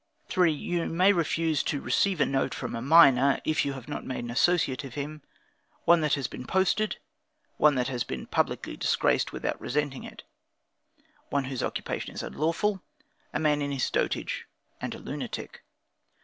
3. You may refuse to receive a note, from a minor, (if you have not made an associate of him); one that has been posted; one that has been publicly disgraced without resenting it; one whose occupation is unlawful; a man in his dotage and a lunatic.